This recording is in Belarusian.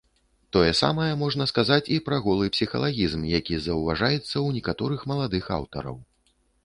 Тое самае можна сказаць і пра голы псіхалагізм, які заўважаецца ў некаторых маладых аўтараў.